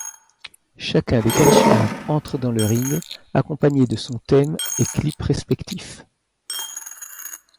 Chacun des catcheurs entre dans le ring accompagné de son thème et clip respectifs.